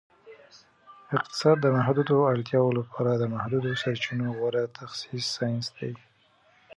اقتصاد د محدودو اړتیاوو لپاره د محدودو سرچینو غوره تخصیص ساینس دی